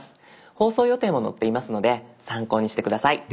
放送予定も載っていますので参考にして下さい。